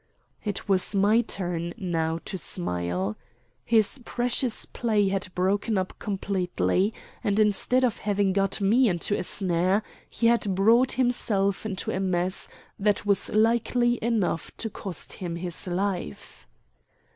It was my turn now to smile. His precious play had broken up completely, and instead of having got me into a snare he had brought himself into a mess that was likely enough to cost him his life.